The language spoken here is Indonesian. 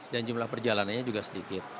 dan jumlah perjalanannya juga sedikit